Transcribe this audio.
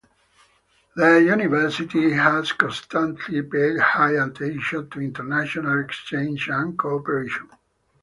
The university has constantly paid high attention to international exchange and cooperation.